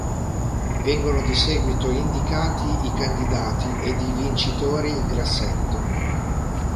Vengono di seguito indicati i candidati ed i vincitori in grassetto.